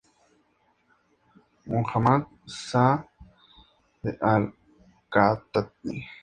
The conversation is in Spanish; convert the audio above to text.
Muhammad Sa ʿ d al-Katātnī.